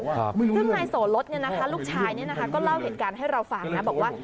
ซึ่งในโสรสเนี่ยลูกชายก็เล่าเหตุการณ์ให้เราฟังนะ